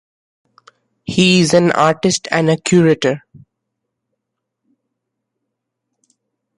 He is an artist and a curator.